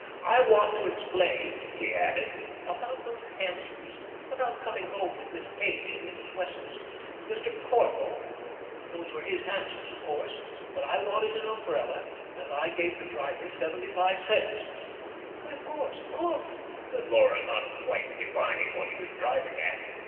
I want to explain," he added, "about those hansoms about coming home with Miss Page and Mrs. Wessels. Mr. Corthell those were his hansoms, of course. But I wanted an umbrella, and I gave the driver seventy five cents." "Why of course, of course," said Laura, not quite divining what he was driving at.